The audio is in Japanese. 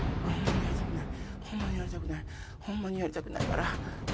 ホンマにやりたくないホンマにやりたくない。